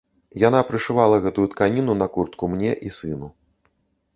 Яна прышывала гэтую тканіну на куртку мне і сыну.